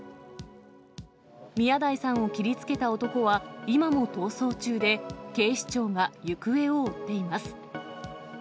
宮台さんを切りつけた男は今も逃走中で、警視庁が行方を追っています。